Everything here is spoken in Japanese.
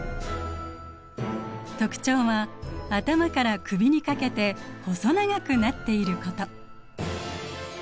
特徴は頭から首にかけて細長くなっていること。